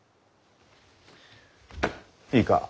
いいか？